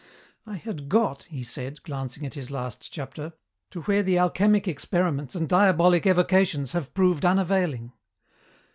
"I had got," he said, glancing at his last chapter, "to where the alchemic experiments and diabolic evocations have proved unavailing.